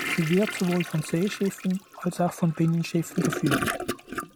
Sie wird sowohl von Seeschiffen als auch von Binnenschiffen geführt.